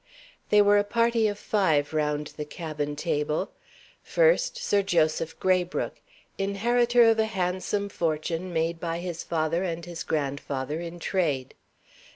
They were a party of five round the cabin table. First, Sir Joseph Graybrooke. Inheritor of a handsome fortune made by his father and his grandfather in trade.